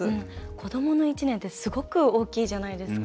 子どもの１年ってすごく大きいじゃないですか。